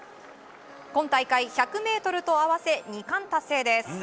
今大会１００ｍと合わせ２冠達成です。